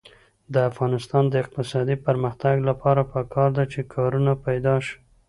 د افغانستان د اقتصادي پرمختګ لپاره پکار ده چې کارونه پیدا شي.